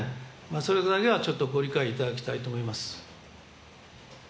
それだけはちょっとご理解いただきたいと思います。